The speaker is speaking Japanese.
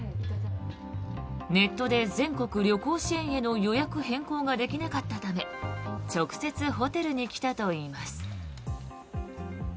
ネットで全国旅行支援への予約変更ができなかったため直接ホテルに来たといいます。